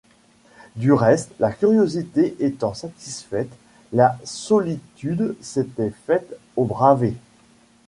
Du reste, la curiosité étant satisfaite, la solitude s’était faite aux Bravées.